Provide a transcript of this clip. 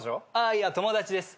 あいや友達です。